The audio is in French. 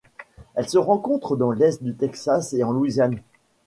Elle se rencontre dans l'est du Texas et en Louisiane.